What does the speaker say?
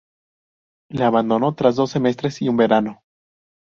La abandonó tras dos semestres y un verano.